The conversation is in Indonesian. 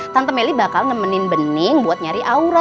tante meli bakal nemenin bening buat nyari aura